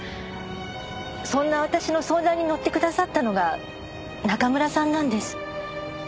そんな私の相談にのってくださったのが中村さんなんです。